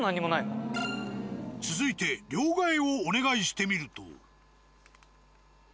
続いて両替をお願いしてみると。